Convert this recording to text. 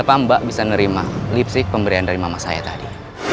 jadi pambak bisa nerima lipstick pemberian dari mama saya tadi